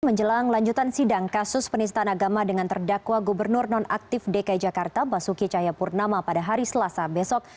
menjelang lanjutan sidang kasus penistaan agama dengan terdakwa gubernur nonaktif dki jakarta basuki cahayapurnama pada hari selasa besok